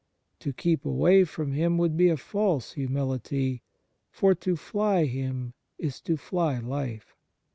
To keep away from Him would be a false humility, for " to fly Him is to fly Life."